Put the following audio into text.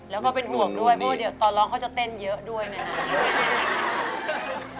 แล้วก็เป็นห่วงด้วยเพราะว่าเดี๋ยวตอนร้องเขาจะเต้นเยอะด้วยนะครับ